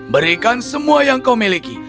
berikan semua yang kau miliki